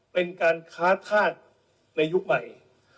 เป็นการค้าธาตุในยุคใหม่